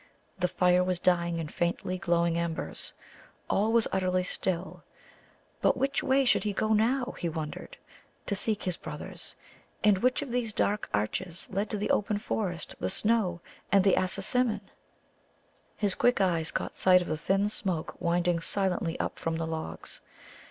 The fire was dying in faintly glowing embers. All was utterly still. But which way should he go now, he wondered, to seek his brothers? And which of these dark arches led to the open forest, the snow, and the Assasimmon? [Illustration: NOD WAS NEVER LEFT ALONE.] His quick eyes caught sight of the thin smoke winding silently up from the logs.